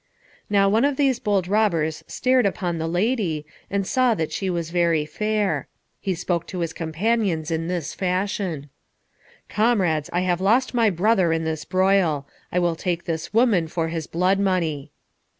Now one of these bold robbers stared upon the lady, and saw that she was very fair. He spoke to his companions in this fashion, "Comrades, I have lost my brother in this broil. I will take this woman for his blood money."